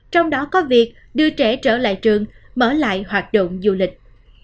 trong đó có việc đưa trẻ trở lại trường mở lại hoạt động du lịch